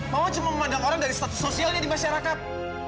mau cuma memandang orang dari status sosialnya di masyarakat